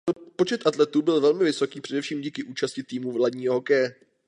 Počet atletů byl velmi vysoký především díky účasti týmu ledního hokeje.